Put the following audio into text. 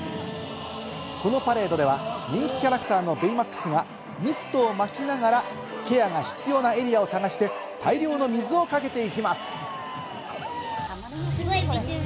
このパレードでは、人気キャラクターのベイマックスがミストを撒きながらケアが必要なエリアを探して大量の水をかけていきます。